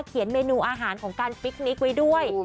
เมนูอาหารของการฟิกนิกไว้ด้วย